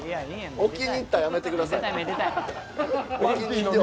置きにいくのやめてください。